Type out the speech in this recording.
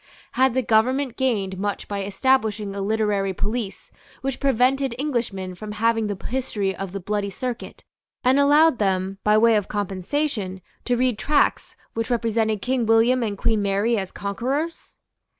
Had the government gained much by establishing a literary police which prevented Englishmen from having the History of the Bloody Circuit, and allowed them, by way of compensation, to read tracts which represented King William and Queen Mary as conquerors?